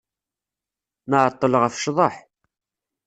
Nɛeṭṭel ɣef ccḍeḥ.